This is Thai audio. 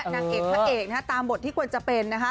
นางเอกพระเอกตามบทที่ควรจะเป็นนะคะ